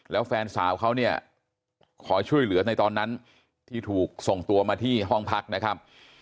แล้วแฟนสาวเขาเนี่ยขอช่วยเหลือในตอนนั้นที่ถูกส่งตัวมาที่ห้องพักนะครับ